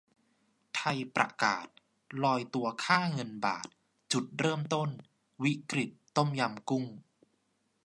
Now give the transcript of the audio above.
ไทยประกาศ ลอยตัวค่าเงินบาท จุดเริ่มต้น วิกฤตต้มยำกุ้ง